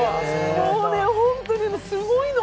もうね、本当にすごいの。